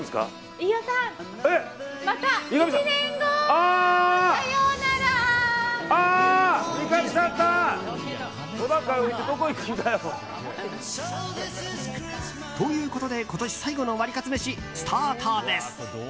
三上サンタ！ということで今年最後のワリカツめしスタートです。